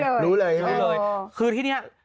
ด้วยผมรู้เลย